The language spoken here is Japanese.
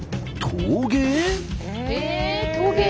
陶芸？